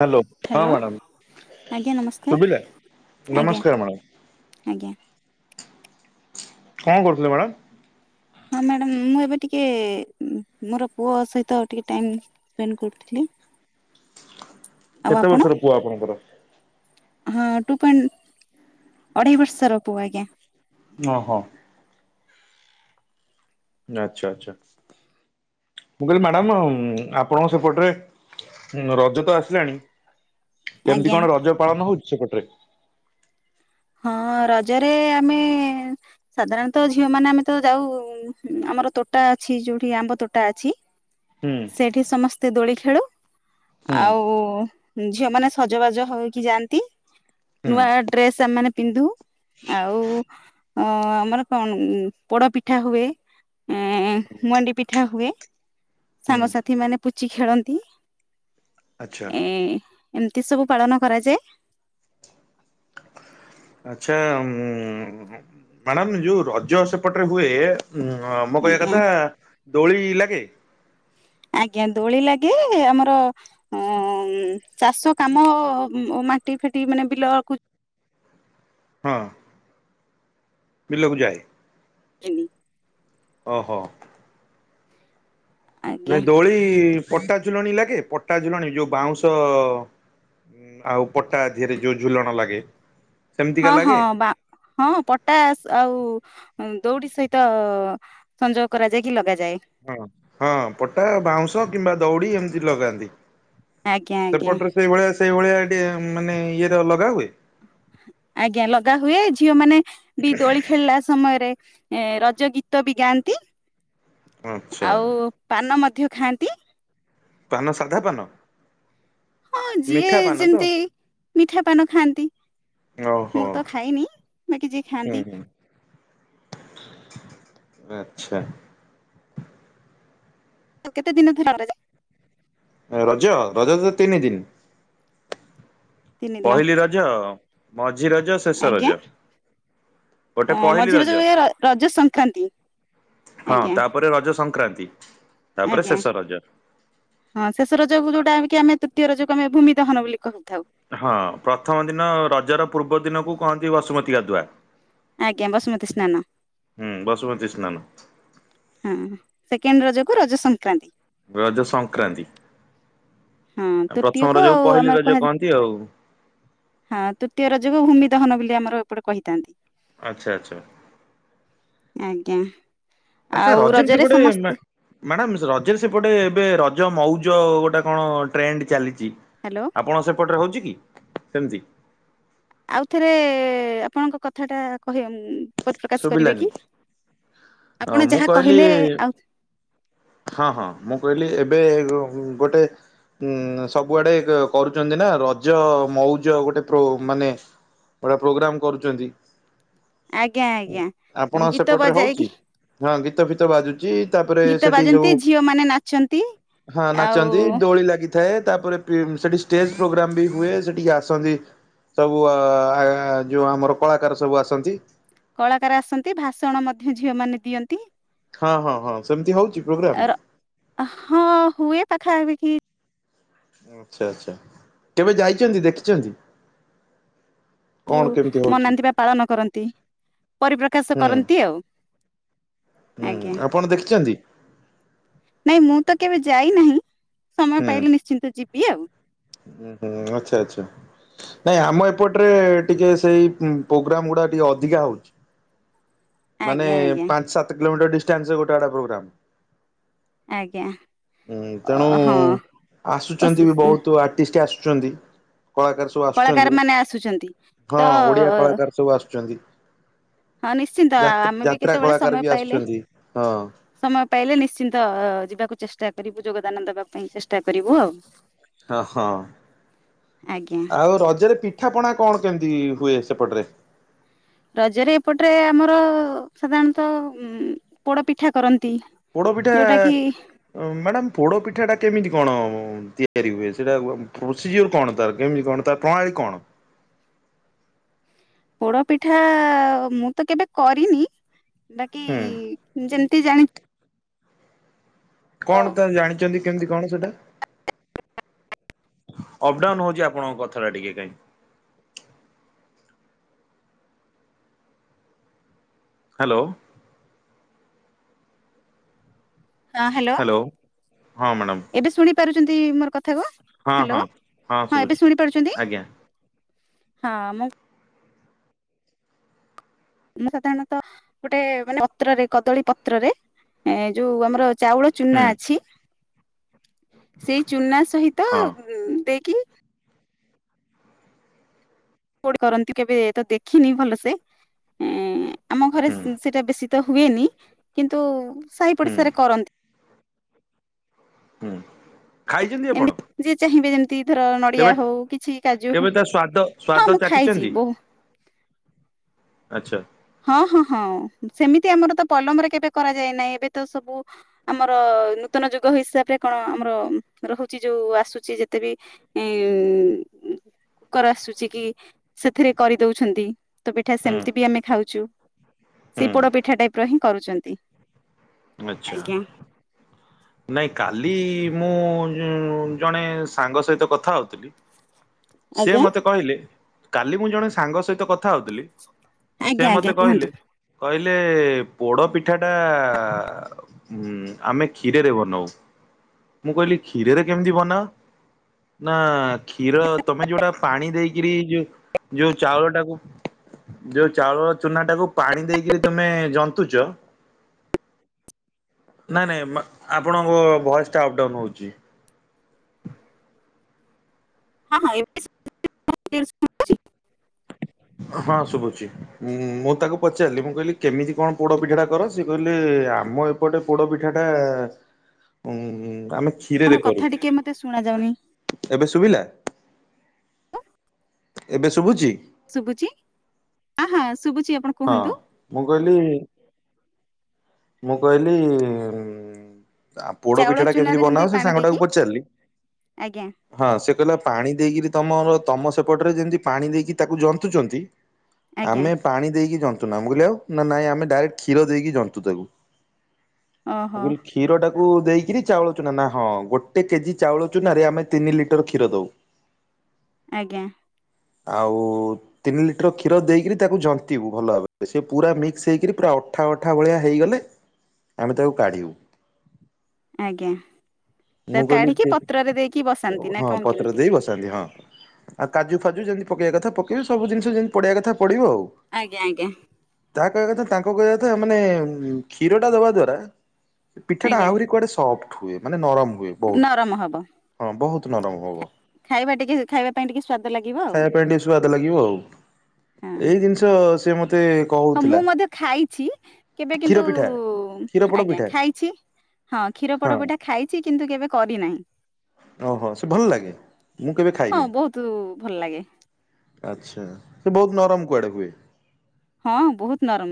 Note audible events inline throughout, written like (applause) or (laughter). Hello ହଁ hello madam ଆଜ୍ଞା ଶୁଭିଲା ନମସ୍କାର ଆଜ୍ଞା ନମସ୍କାର ମ୍ୟାଡ଼ାମ ଆଜ୍ଞା। କଣ କରୁଥୁଲେ ମ୍ୟାଡ଼ାମ୍? ହଁ ମ୍ୟାଡ଼ାମ୍ ମୁଁ ଏବେ ଟିକେ ଉଁ ମୋର ପୁଅ ସହିତ ଟିକେ ଟାଇମ୍ ସ୍ପେଣ୍ଡ୍ କରୁଥିଲି। ଆଉ କେତେ ଆପଣ ବର୍ଷର ପୁଅ ଆପଣଙ୍କର? ହଁ ଟୁ ପଏଣ୍ଟ୍ ଅଢ଼େଇ ବର୍ଷର ପୁଅ ଆଜ୍ଞା। ଓହୋ। ଆଚ୍ଛା ଆଚ୍ଛା ମୁଁ କହିଲି ମ୍ୟାଡାମ ଆଉଁ ଆପଣଙ୍କ ସେପଟରେ ହୁଁ ରଜ ତ ଆସିଲାଣି ଆଜ୍ଞା କେମିତି କଣ ରଜ ପାଳନ ହୋଉଚି ସେପଟରେ? ହଁ ରଜରେ ଆମେ ସାଧାରଣତ ଝିଅମାନେ ଆମେ ତ ଯାଉ ଉଁ ଆମର ତୋଟା ଅଛି ଯୋଉଠି ଆମ୍ବତୋଟା ଅଛି। ହୁଁ ସେଠି ସମସ୍ତେ ଦୋଳି ଖେଳୁ ହୁଁ ଆଉ ଝିଅମାନେ ସଜବାଜ ହୋଇକି ଯାଆନ୍ତି ହୁଁ ନୂଆ ଡ୍ରେସ୍ ସେମାନେ ପିନ୍ଧୁ ଆଉ ଅ ଆମର କଣ ପୋଡ ପିଠା ହୁଏ। ଆଁ ମନ୍ଦି ପିଠା ହୁଏ। ହୁଁ ସାଙ୍ଗସାଥି ମାନେ ପୁଚି ଖେଳନ୍ତି। ଆଚ୍ଛା ଏ ଏମତି ସବୁ ପାଳନ କରାଯାଏ। ଆଚ୍ଛା ଉଁ ମ୍ୟାଡ଼ାମ ଯୋଉ ରଜ ସେପଟରେ ହୁଏ ଉଁ ମୋ କହିବା ଆଜ୍ଞା କଥା ଦୋଳି ଲାଗେ? ଆଜ୍ଞା ଦୋଳି ଲାଗେ ଆମର ଅଁ ଉଁ ଚାଷକାମ ଉଁ ଓ ମାଟି ଫାଟି ମାନେ ବିଲକୁ ହଁ। ବିଲକୁ ଯାଏ। ଏନି ଓହୋ। ଆଜ୍ଞା ନାଇଁ ଦୋଳି ପଟା ଝୁଲଣୀ ଲାଗେ ପଟା ଝୁଲଣୀ ଯୋଉ ବାଉଁଶ ଉଁ ଆଉ ପଟା ଧିଅରେ ଯୋଉ ଝୁଲଣ ଲାଗେ। ସେମିତିକା ହଁ ହଁ ଲାଗେ? ବା ହଁ ପଟାସ୍ ଆଉ ଅଁ ଦୋଉଡି ସହିତ ସଂଯୋଗ କରାଯାଇକି ଲଗାଯାଏ। ହଁ ହଁ ହଁ ପଟା, ବାଉଁଶ, କିମ୍ବା ଦୋଉଡି ଏମତି ଲଗାନ୍ତି। ଆଜ୍ଞା ଆଜ୍ଞା ସେପଟରେ ସେଇଭଳିଆ ସେଇଭଳିଆ ଟିଏ ମାନେ ଇଏଟା ଲଗା ହୁଏ? ଆଜ୍ଞା ଲଗାହୁଏ ଝିଅମାନେ ବି ଦୋଳି ଖେଳିଲା ସମୟରେ ଏ ରଜ ଗୀତ ବି ଗାଆନ୍ତି ଆଚ୍ଛା ଆଉ ପାନ ମଧ୍ୟ ଖାଆନ୍ତି। ପାନ ସାଧାପାନ? ହଁ ଯିଏ ତ ଯେମତି ମିଠାପାନ ଖାଆନ୍ତି। ମୁଁ ଓହୋ। ତ ଖାଇନି ବାକି ଯିଏ ହୁଁ ଖାଆନ୍ତି। ହୁଁ। ଆଚ୍ଛା। ଆଉ କେତେ ଦିନ ଧରି କରାଯାଏ? ଓ ରଜ ରଜ ତ ତିନି ଦିନ। ତିନି ଦିନ ପହିଲି ରଜ, ମଝି ରଜ, ଶେଷ ରଜ। ଗୋଟେ ଅଁ ପହିଲି ମଝି ରଜ ଏ ର ରଜ ସଂକ୍ରାନ୍ତି ଆଜ୍ଞା। ପରେ ରଜ ସଂକ୍ରାନ୍ତି ତାପରେ ଆଜ୍ଞା ଶେଷ ରଜ। ହଁ ଶେଷ ରଜକୁ ଯୋଉଟା କି ଆମେ ତୃତୀୟ ରଜକୁ ଆମେ ଭୂମି ଦହନ ବୋଲି କହିଥାଉ। ହଁ ପ୍ରଥମ ଦିନ ରଜର ପୂର୍ବ ଦିନକୁ କହନ୍ତି ବସୁମତୀ ଗାଧୁଆ। ଆଜ୍ଞା ବସୁମତି ସ୍ନାନ। ହୁଁ ବସୁମତୀ ସ୍ନାନ। ହଁ ସେକେଣ୍ଡ୍ ରଜକୁ ରଜ ସଂକ୍ରାନ୍ତି। ରଜ ସଂକ୍ରାନ୍ତି ହଁ ଆଉ ପ୍ରଥମ ତୃତୀୟକୁ ରଜକୁ ଆଉ ପହିଲି ଆମର ରଜ କୁହା କହନ୍ତି ଆଉ। ହଁ ତୃତୀୟ ରଜକୁ ଭୂମି ଦହନ ବୋଲି ଆମର ଏପଟେ କହିଥାନ୍ତି। ଆଚ୍ଛା ଆଚ୍ଛା ଆଜ୍ଞା ଆଉ ରଜରେ ସମସ୍ତେ ମ୍ୟାଡ଼ାାମ ରଜରେ ସେପଟେ ଏବେ ରଜ ମଉଜ ଗୋଟେ କଣ ଟ୍ରେଣ୍ଡ ଚାଲିଛି। ହ୍ୟାଲୋ ଆପଣ ସେପଟରେ ହଉଛି କି ସେମିତି? ଆଉଥରେ ଆପଣଙ୍କ କଥା ଟା କହିବେ ଉଁ ପ୍ରକାଶ କରିବେ ଶୁଭିଲାନି କି ହଁ ଆପଣ ମୁଁ ଯାହା କହିଲି କହିଲେ ଆଉ ହଁ ହଁ ମୁଁ କହିଲି ଏବେ ଗୋଟେ ଉଁ ସବୁଆଡେ କରୁଛନ୍ତି ନା ରଜ ମଉଜ ଗୋଟେ ପ୍ରୋ ମାନେ ବଢିଆ ପ୍ରୋଗ୍ରାମ କରୁଛନ୍ତି। ଆଜ୍ଞା ଆଜ୍ଞା। ଆପଣ ଗୀତ ସେପଟରେ ହଉଛି? ବଜାଇକି ହଁ ଗୀତ ଫିତ ବାଜୁଛି ତାପରେ ଗୀତ ସେଠି ବାଜନ୍ତି ସବୁ ଝିଅ ମାନେ ନାଚନ୍ତି। ହଁ ଆଉ ନାଚନ୍ତି ଦୋଳି ଲାଗି ଥାଏ ତାପରେ ପି ସେଇଠି ଷ୍ଟେଜ୍ ପ୍ରୋଗ୍ରାମ ବି ହୁଏ ସେଠିକି ଆସନ୍ତି। ସବୁ ଆ ଯେଉଁ ଆମର କଳାକାର ସବୁ ଆସନ୍ତି। କଳାକାର ଆସନ୍ତି ଭାଷଣ ମଧ୍ୟ ଝିଅ ମାନେ ଦିଅନ୍ତି। ହଁ ହଁ ହଁ ସେମିତି ହଉଛି ପ୍ରୋଗ୍ରାମ? ହଁ ହୁଏ ପାଖାପାଖି। ଆଚ୍ଛା ଆଚ୍ଛା। କେବେ ଯାଇଛନ୍ତି ଦେଖିଛନ୍ତି? କଣ କେମିତି ହଉଛି? ମନାନ୍ତି ବା ପାଳନ କରନ୍ତି ପରିପ୍ରକାଶ ହୁଁ କରନ୍ତି ଆଉ। ହୁଁ ଆଜ୍ଞା ଆପଣ ଦେଖିଛନ୍ତି? ନାଇଁ ମୁଁ ତ କେବେ ଯାଇ ନାହିଁ ସମୟ ହୁଁ ପାଇଲେ ନିଶ୍ଚିନ୍ତ ଯିବି ଆଉ। ହୁଁ ହୁଁ ଆଚ୍ଛା ଆଚ୍ଛା। ନାଇଁ ଆମ ଏପଟରେ ଟିକେ ସେଇ ପ୍ରୋଗ୍ରାମ୍ ଗୁଡ଼ା ଟିକେ ଅଧିକା ହେଉଛି। ମାନେ ଆଜ୍ଞା ଆଜ୍ଞା ପାଞ୍ଚ ସାତ କିଲୋମିଟର ଡିସଟାନ୍ସରେ ଗୋଟେ ଆଡେ ପ୍ରୋଗ୍ରାମ। ଆଜ୍ଞା। ହଁ ତେଣୁ ହଁ ଓ ଆସୁଛନ୍ତି ବି ବହୁତ ଆର୍ଟିଷ୍ଟ ଆସୁଛନ୍ତି କଳାକାର ଆସଛନ୍ତି ମାନେ ଆସୁଛନ୍ତି। ତ ହଁ ଓଡିଆ କଳାକାର ସବୁ ଆସୁଛନ୍ତି। ହଁ ନିଶ୍ଚିନ୍ତ ଯାତ୍ରା ଆମେ ବି ଯାତ୍ରା କେତେବେଳେ କଳାକାର ସମୟ ବି ପାଇଲେ ଆସୁଛନ୍ତି ହଁ ସମୟ ପାଇଲେ ନିଶ୍ଚିନ୍ତ ଯିବାକୁ ଚେଷ୍ଟା କରିବୁ ଯୋଗଦାନ ଦବା ପାଇଁ ଚେଷ୍ଟା କରିବୁ ଆଉ। ହ ହଁ ଆଜ୍ଞା ଆଉ ରଜରେ ପି ପିଠାପଣା କଣ କେମିତି ହୁଏ ସେପଟରେ? ରଜରେ ଏପଟରେ ଆମର ସାଧାରଣତଃ ଉଁ ପୋଡ ପିଠା କରନ୍ତି। ପୋଡ ପିଠା ଯୋଉଟା କି ମ୍ୟାଡ଼ାାମ ପୋଡ ପିଠାଟା କେମିତି କଣ ତିଆରି ହୁଏ ସେଇଟା ପ୍ରୋସିଜର କଣ ତାର କେମିତି କଣ ତା ପ୍ରଣାଳୀ କଣ? ପୋଡ ପିଠା ମୁଁ ତ କେବେ କରିନି ବାକି ହୁଁ ଯେମ ତି ଜାଣି କଣ ହଁ ତାର ଜାଣିଛନ୍ତି? କେମତି କଣ ସେଟା। ଅପ ଡାଉନ ହଉଛି ଆପଣଙ୍କ କଥା ଟା ଟିକେ କାଇଁ। ହ୍ୟାଲୋ। ହଁ ହ୍ୟାଲୋ ହଁ ମ୍ୟାଡ଼ାମ ଏବେ ଶୁଣି ପାରୁଛନ୍ତି ମୋର କଥା କୁ। ହଁ ହ୍ୟାଲୋ ହଁ ହଁ ଶୁଭୁଛି ଏବେ ଶୁଣି ପାରୁଛନ୍ତି ଆଜ୍ଞା ହଁ ମୁଁ ମୁଁ ସାଧାରଣତଃ ଗୋଟେ ମାନେ ପତ୍ରରେ କଦଳୀ ପତ୍ରରେ ଏ ଯୋଉ ଆମର ଚାଉଳ ଚୁନା ହୁଁ ଅଛି ସେଇ ଚୁନା ସହିତ ହଁ ହୁଁ ଦେଇକି କଉଠି କରନ୍ତି କେବେ ତ ଦେଖିନି ଭଲସେ ଉଁ ଆମ ଘରେ ହୁଁ ସେଇଟା ବେଶୀ ତ ହୁଏନି କିନ୍ତୁ ସାହି ହୁଁ ପଡିଶାରେ କରନ୍ତି। ହୁଁ ଖାଇଛନ୍ତି ଆପଣ? ଏମତି ଯିଏ ଚାହିଁବେ ଯେମିତି ଧର ନଡିଆ କେବେ ହଉ କିଛି କାଜୁ କେବେ ହଉ ତା ସ୍ଵାଦ ହଁ ସ୍ଵାଦ ମୁଁ ଖାଇଛି ଚାଖିଛନ୍ତି ବହୁ ଆଚ୍ଛା! ହଁ-ହଁ-ହଁ ସେମିତି ଆମର ତ ପଲମରେ କେବେ କରାଯାଏ ନାହିଁ ଏବେ ତ ସବୁ ଆମର ନୂତନ ଯୁଗ ହିସାବରେ କଣ ଆମର ରହୁଛି ଯୋଉ ଆସୁଛି ଯେତେ ବି ଏ କୁକର ଆସୁଛି କି ସେଥିରେ କରିଦଉଛନ୍ତି। ରତ ପିଠା ହୁଁ ସେମିତି ବି ଆମେ ଖାଉଛୁ ସେଇ ହୁଁ ପୋଡ ପିଠା ଟାଇପ ର ହିଁ କରୁଛନ୍ତି! ଆଚ୍ଛା। ଆଜ୍ଞା ନାଇଁ କାଲି ମୁଁ ଜଣେ ସାଙ୍ଗ ସହିତ କଥା ହଉଥିଲି। ସିଏ ଆଜ୍ଞା ମତେ କହିଲେ କାଲି ମୁଁ ଜଣେ ସାଙ୍ଗ ସହିତ କଥା ହଉଥିଲି। ଆଜ୍ଞା ସେ ଆଜ୍ଞା ମତେ କୁହନ୍ତୁ କହିଲେ କହିଲେ ପୋଡ଼ ପିଠା ଟା ଉଁ ଆମେ କ୍ଷୀରରେ ବନାଉ। ମୁଁ କହିଲି କ୍ଷୀରରେ କେମିତି ବନାଅ? ନା କ୍ଷୀର ତମେ ଯୋଉଟା ପାଣି ଦେଇକିରି ଯୋ ଯୋଉ ଚାଉଳ ଟାକୁ ଯୋଉ ଚାଉଳର ଚୁନା ଟାକୁ ପାଣି ଦେଇକରି ତମେ ଜନ୍ତୁଚ! ନାଇଁ ନାଇଁ ଆପଣଙ୍କ ଭଏସ୍ଟା ଅପ୍ ଡାଉନ୍ ହଉଚି। (unintelligible) (unintelligible) ହଁ ଶୁଭୁଚି। ଉଁ ମୁଁ ତାକୁ ପଚାରିଲି ମୁଁ କହିଲି କେମିତି କଣ ପୋଡ଼ ପିଠା ଟା କର ସିଏ କହିଲେ ଆମ ଏପ୍ ଏପଟେ ପୋଡ ପିଠା ଟା ଉମ ଆମେ ଚ୍ଛୁ କଣ କଥା ଟିକେ ମତେ ଶୁଣା ଯାଉନି। ଏବେ ଶୁଭିଲା! ଏବେ ଶୁବୁଚି? ଶୁବୁଚି ଆ ହଁ ଶୁବୁଚି ଆପଣ ହଁ କୁହନ୍ତୁ ମୁଁ କହିଲି ମୁଁ କହିଲି ଆ ପୋଡ ଚାଉଳ ପିଠା ଟା କେମିତି ଚୁନାରେ ଯେମିତି ବନାହୋଉଛି ସେ ପାଣି ସାଙ୍ଗ ଟାକୁ ଦେଇକି ପଚାରିଲି ଆଜ୍ଞା ହଁ ସେ କହିଲା ପାଣି ଦେଇକିରି ତମର ତମ ସେପଟରେ ଯେମତି ପାଣି ଦେଇକି ତାକୁ ଜନ୍ତୁଛନ୍ତି ଆଜ୍ଞା ଆମେ ପାଣି ଦେଇକି ଜନ୍ତୁ ନା ମୁଁ କହିଲି ଆଉ ନା ନାଇଁ ଆମେ ଡାଇରେକ୍ଟ କ୍ଷୀର ଦେଇକି ଜନ୍ତୁ ତାକୁ। ଓହୋ (unintelligible) କ୍ଷୀରଟାକୁ ଦେଇକରି ଚାଉଳ ଚୁନା ନା ହଁ ଗୋଟେ କେଜି ଚାଉଳ ଚୁନାରେ ଆମେ ତିନି ଲିଟର କ୍ଷୀର ଦଉ। ଆଜ୍ଞା। ଆଉ ତିନି ଲିଟର କ୍ଷୀର ଦେଇକରି ତାକୁ ଜନ୍ତି ବୁ ଭଲ ଭାବରେ ସେ ପୁରା ମିକ୍ସ ହେଇକରି ପୁରା ଅଠା ଅଠା ଭଳିଆ ହେଇଗଲେ ଆମେ ତାକୁ କାଢିବୁ। ଆଜ୍ଞା ତ ମୁଁ କହିଲି ଟେ କାଢିକି ପତ୍ରରେ ଦେଇକି ବସାନ୍ତି ନା ହଁ କଣ ପତ୍ର କେମିତି? ଦେଇ ହଁ ଆଉ କାଜୁ ଫାଜୁ ଯେମିତି ପକେଇବା କଥା ପକେଇବେ ସବୁ ଜିନିଷ ଯେମିତି ପଡିବା କଥା ପଡିବ ଆଉ। ଆଜ୍ଞା ଆଜ୍ଞା। ଯାହା କହିବା କଥା ତାଙ୍କ କହିବା କଥା ମାନେ କ୍ଷୀର ଟା ଦବା ଦ୍ଵାରା ସେ ପିଠାଟା ଆଜ୍ଞା ଆହୁରି କୁଆଡେ ସଫ୍ଟ ହୁଏ ମାନେ ନରମ ହୁଏ। ବହୁତ। ନରମ ହବ। ହଁ ବହୁତ ନରମ ହବ। ଖାଇବା ଟିକେ ଖାଇବା ପାଇଁ ଟିକେ ସ୍ଵାଦ ଲାଗିବ ଆଉ ଖାଇବା ପାଇଁ ଟିକେ ସୁଆାଦ ଲାଗିବ ଆଉ ହଁ ଏଇ ଜିନିଷ ସେ ମତେ ହଁ ମୁଁ କହୁଥିଲା ମଧ୍ୟ ଖାଇଛି କେବେ କିନ୍ତୁ କ୍ଷୀର ପିଠା କ୍ଷୀର ପୋଡ ଆଜ୍ଞା ପିଠା ଖାଇଛି। ହଁ କ୍ଷୀର ହଁ ପୋଡ ପିଠା ଖାଇଛି କିନ୍ତୁ କେବେ କରିନାହିଁ। ଓହୋ ସେ ଭଲ ଲାଗେ ମୁଁ କେବେ ହଁ ଖାଇନି। ବହୁତ ଭଲ ଲାଗେ ଆଚ୍ଛା ସେ ବହୁତ ନରମ କୁଆଡ଼େ ହୁଏ। ହଁ ବହୁତ ନରମ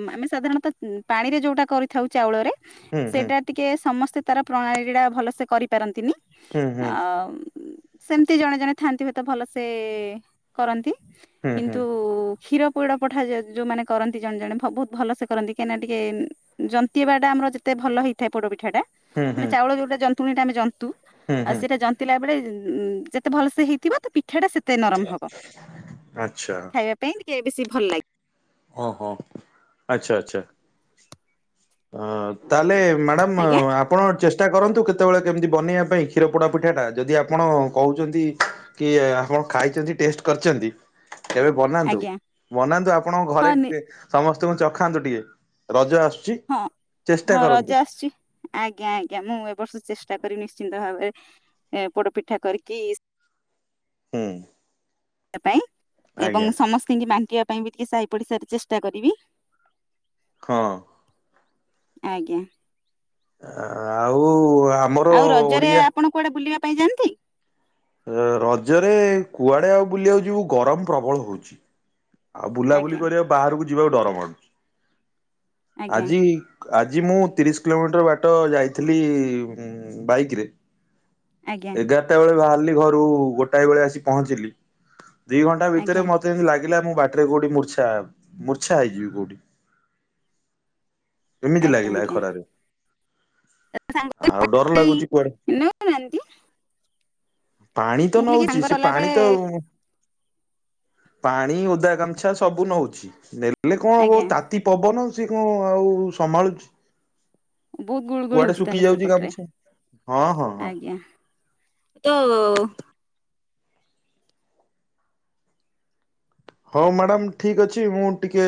ଉ ଆମେ ସାଧାରଣତଃ ପାଣିରେ ଯୋଉଟା କରିଥାଉ ଚାଉଳରେ ହୁଁ ସେଇଟା ହୁଁ ଟିକେ ସମସ୍ତେ ତାର ପ୍ରଣାଳୀ ଟା ଭଲ ସେ କରିପାରନ୍ତିନି। ହୁଁ ଆଉ ସେମିତି ଜଣେ ଜଣେ ଥାଆନ୍ତି ହୁଏତ ଭଲସେ କରନ୍ତି ହୁଁ ହୁଁ ହୁଁ କିନ୍ତୁ କ୍ଷୀର ପୋଡ ପଠା ଯୋଉମାନେ କରନ୍ତି ଜଣେ ଜଣେ ବହୁତ ଭଲ ସେ କରନ୍ତି କାଁଇନା ଟିକେ ଜନ୍ତିବା ଟା ଆମର ଯେତେ ଭଲ ହେଇଥାଏ ପୋଡପିଠା ଟା ହୁଁ ମାନେ ହୁଁ ଚାଉଳ ଯୋଉଟା ଜନ୍ତୁଣୀଟା ଆମେ ଜନ୍ତୁ ହୁଁ ଆଉ ହୁଁ ସେଇଟା ଜନ ଥିଲା ବଳେ ଯେତେ ଭଲ ସେ ହେଇଥିବ ଟ ପି ସେଟା ସେତେ ନରମ ହବ ଆଚ୍ଛା ଖାଇବା ପାଇଁ ଟିକେ ବେଶୀ ଭଲ ଲାଗେ। ହଁ ହଁ, ଆଚ୍ଛା ଆଚ୍ଛା। ତାହେଲେ ମ୍ୟାଡ଼ାମ ଆ ଆଜ୍ଞା ଆପଣ ଚେଷ୍ଟା କରନ୍ତୁ କେତେବେଳେ କେମିତି ବନେଇବା ପାଇଁ କ୍ଷୀର ପୋଡ଼ା ପିଠାଟା ଯଦି ଆପଣ କହୁଛନ୍ତି। କି ଆପଣ ଖାଇଛନ୍ତି ଟେଷ୍ଟ କରିଛନ୍ତି ଏବେ ବନାନ୍ତୁ। ଆଜ୍ଞା ବନାନ୍ତୁ ଆପଣଙ୍କ ହଁ ନି- ଘରେ ସମସ୍ତଙ୍କୁ ଚଖାନ୍ତୁ ଟିକେ ରଜ ଆସୁଛି। ହ ଚେଷ୍ଟା ହଁ କରନ୍ତୁ ରଜା ଆସିଛି ଆଜ୍ଞା ଆଜ୍ଞା ମୁଁ ଏବ ବର୍ଷ ଚେଷ୍ଟା କରି ନିଶ୍ଚିନ୍ତ ଭାବରେ ଏ ପୋଡପିଠା କରିକି ହୁଁ ପାଇଁ ଏବଂ ଆଜ୍ଞା ସମସ୍ତଙ୍କୁ ମାଙ୍କିବା ପାଇଁ ବି ଟିକେ ସହି ପଡିସାର ଚେଷ୍ଟା କରିବି। ହଁ ଆଜ୍ଞା ଆଉ ଆ ଆଉ ରଜରେ ଆପଣ କୁଆଡେ ବୁଲିବା ପାଇଁ ଯାଆନ୍ତି? ରଜରେ କୁଆଡ଼େ ଆଉ ବୁଲିବାକୁ ଜିବୁ ଗରମ ପ୍ରବଳ ହଉଛି। ଆଉ ବୁଲାବୁଲି ଆଜ୍ଞା କରିବାକୁ ବାହାରକୁ ଯିବାକୁ ଡର ମାଡୁଛି। ଆଜ୍ଞା ଆଜି ଆଜି ମୁଁ ତିରିଶ କିଲୋମିଟର ବାଟ ଯାଇଥିଲି ବାଇକରେ। ଆଜ୍ଞା ଏଗାରଟା ବେଳେ ବାହାରିଲି ଘରୁ ଗୋଟାଏ ବେଳେ ଆସି ପହଞ୍ଚିଲି। ଦି ଘଣ୍ଟା ଆଜ୍ଞା ଭିତରେ ମତେ ଯେମିଟୀ ଲାଗିଲା ମୁଁ ବାଟିରେ କୋଉଠି ମର୍ଚଛା ମୁର୍ଚ୍ଛା ହେଇଯି କୋଉଠି। ଏମିତି ଆଜ୍ଞା ଲାଗିଲା ଏ ଆଜ୍ଞା ଖରାରେ। ସାଙ୍ଗ ଆଉ ଡର ଲାଗୁଛି କୁଆଡେ ନଉନାହାନ୍ତି ପାଣି ତ ମୁଁ କହିଲି କି ନଉଛି ସାଙ୍ଗରେ ସେ ଗଲା ପାଣି ବେଳେ ତଉ ପାଣି ଓଦା ଗାମୁଛା ସବୁ ନଉଛି ନେଲେ କଣ ହବ ଆଜ୍ଞା ତା ଅତି ପବନ ସେଏ କଣ ଆଉ ସମ୍ଭାଳୁଛି। ବହୁତ ଗୁଳ ଗୁଳି କୁଆଡେ ହଉଛି ଶୁଖି ତାହେଲେ ଯାଉଛି ସେପଟରେ। ଗାମୁଛା ହଁ ହଁ ହଁ ଆଜ୍ଞା ତ ହଉ ମ୍ୟାଡ଼ାାମ ଠିକ୍ ଅଛି ମୁଁଟିକେ-